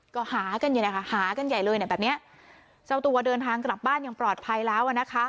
ก็หากันอยู่นะคะหากันใหญ่เลยเนี่ยแบบเนี้ยเจ้าตัวเดินทางกลับบ้านอย่างปลอดภัยแล้วอ่ะนะคะ